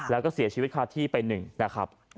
แล้วก็เสียชีวิตคาที่ไปหนึ่งนะครับ